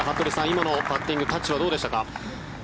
今のパッティングタッチはどうでしたか。